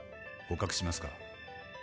捕獲しますか？